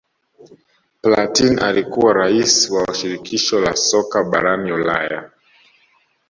platin alikuwa rais wa shirikisho la soka barani Ulaya